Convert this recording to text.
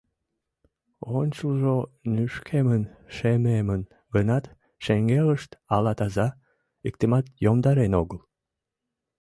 Ончылжо нӱшкемын шемемын гынат, шеҥгелышт але таза, иктымат йомдарен огыл.